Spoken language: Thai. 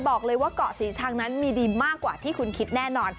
บอกเลยว่าเกาะศรีชังนั้นมีดีมากกว่าที่คุณคิดแน่นอน